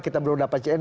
kita belum dapat jnm